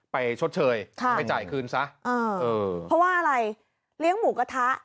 ชดเชยค่ะไปจ่ายคืนซะเออเพราะว่าอะไรเลี้ยงหมูกระทะ